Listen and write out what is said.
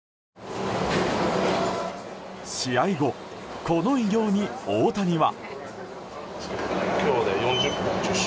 試合後、この偉業に大谷は。